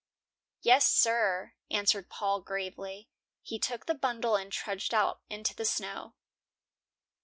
"Yes, sir," answered Paul, gravely. He took the bundle and trudged out into the snow.